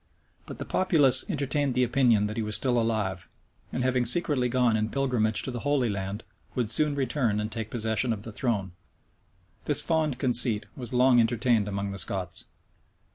But the populace entertained the opinion that he was still alive, and having secretly gone in pilgrimage to the Holy Land, would soon return and take possession of the throne. This fond conceit was long entertained among the Scots.